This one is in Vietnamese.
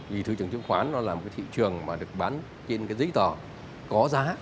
vì thị trường chứng khoán nó là một cái thị trường mà được bán trên cái giấy tờ có giá